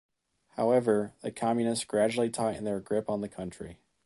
However, the Communists gradually tightened their grip on the country.